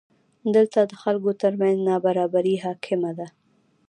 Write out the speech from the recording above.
دلته د خلکو ترمنځ نابرابري حاکمه ده.